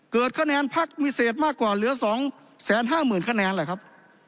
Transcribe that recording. เกิดคะแนนภาคมีเศษมากกว่าเหลือสองแสนห้าหมื่นคะแนนแหละครับ